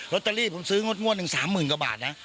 ตเตอรี่ผมซื้องวดหนึ่ง๓๐๐๐กว่าบาทนะ